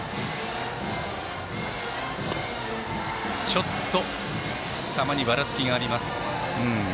ちょっと球にばらつきがあります。